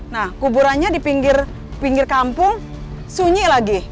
nah kuburannya di pinggir kampung sunyi lagi